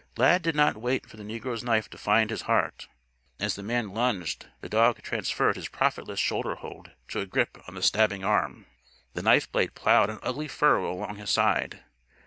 Lad did not wait for the negro's knife to find his heart. As the man lunged, the dog transferred his profitless shoulderhold to a grip on the stabbing arm. The knife blade plowed an ugly furrow along his side.